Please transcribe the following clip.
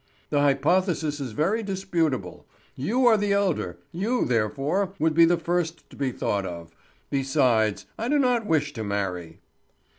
The hypothesis is very disputable. You are the elder; you, therefore, would be the first to be thought of. Besides, I do not wish to marry."